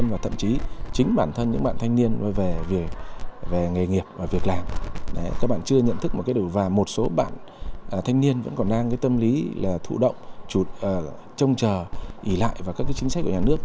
và các chính sách của nhà nước